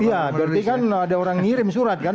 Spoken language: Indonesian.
iya berarti kan ada orang ngirim surat kan